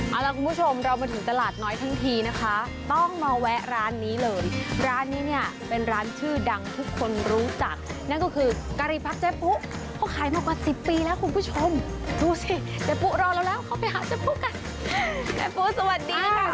เอาล่ะคุณผู้ชมเรามาถึงตลาดน้อยทั้งทีนะคะต้องมาแวะร้านนี้เลยร้านนี้เนี่ยเป็นร้านชื่อดังทุกคนรู้จักนั่นก็คือการีพัฒน์เจ๊ปุ๊เขาขายมากว่าสิบปีแล้วคุณผู้ชมดูสิเจ๊ปุ๊รอเราแล้วเขาไปหาเจ๊ปุ๊กะเจ๊ปุ๊สวัสดีค่ะ